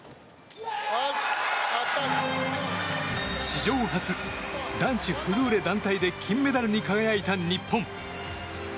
史上初、男子フルーレ団体で金メダルに輝いた日本。